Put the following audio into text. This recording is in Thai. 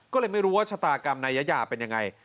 ก็เลยไม่รู้ว่าชะตากรรมนายยายาเป็นยังไง